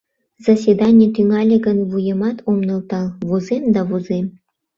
Заседаний тӱҥале гын, вуемат ом нӧлтал, возем да возем.